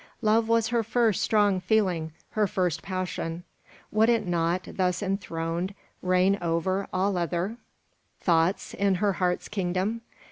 Love was her first strong feeling, her first passion. Would it not, thus enthroned, reign over all other thoughts in her heart's kingdom?